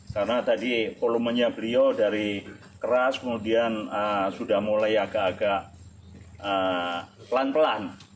karena tadi volumenya beliau dari keras kemudian sudah mulai agak agak pelan pelan